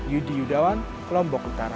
yudi yudawan lombok utara